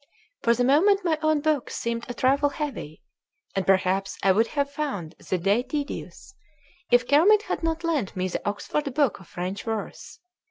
For the moment my own books seemed a trifle heavy, and perhaps I would have found the day tedious if Kermit had not lent me the Oxford Book of French Verse.